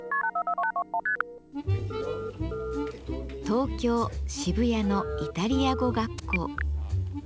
東京・渋谷のイタリア語学校。